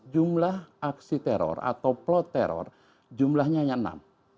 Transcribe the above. dua ribu empat belas jumlah aksi teror atau plot teror jumlahnya hanya enam